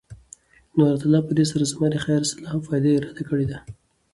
نو الله تعالی پدي سره زما د خير، صلاح او فائدي اراده کړي ده